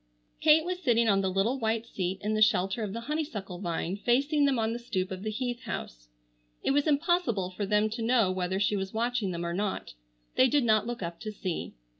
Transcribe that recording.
Kate was sitting on the little white seat in the shelter of the honeysuckle vine facing them on the stoop of the Heath house. It was impossible for them to know whether she was watching them or not. They did not look up to see.